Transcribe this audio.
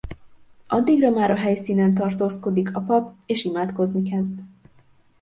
Addigra már a helyszínen tartózkodik a pap és imádkozni kezd.